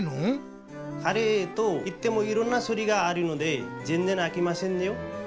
カレーといってもいろんなしゅるいがあるのでぜんぜんあきませんよ。